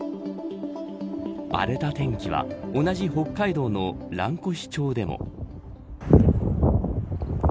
荒れた天気は同じ北海道の蘭越町でも。